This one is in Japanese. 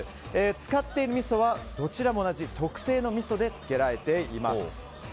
使っているみそはどちらも同じ特製のみそで漬けられています。